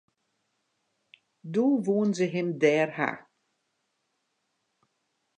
Doe woenen se him dêr ha.